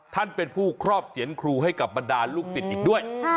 ท่านเป็นผู้ครอบเสียนครูให้กับบรรดาลูกศิษย์อีกด้วย